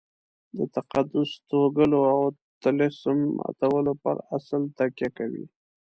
د تقدس توږلو او طلسم ماتولو پر اصل تکیه کوي.